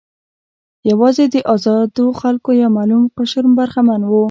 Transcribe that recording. یوازې د آزادو خلکو یو معلوم قشر برخمن و.